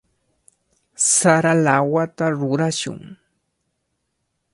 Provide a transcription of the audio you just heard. Sara lawata rurashun.